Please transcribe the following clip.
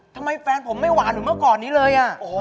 แฟนผมไม่หวานเหมือนเมื่อก่อนนี้เลย